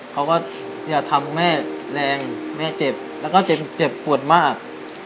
เขาก็อย่าทำแม่แรงแม่เจ็บแล้วก็เจ็บปวดมาก